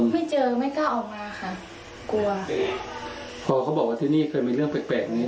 ไม่เจอไม่กล้าออกมาค่ะกลัวพอเขาบอกว่าที่นี่เคยมีเรื่องแปลกแปลกนี้